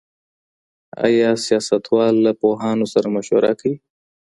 ايا سياستوال له پوهانو سره مشوره کوي؟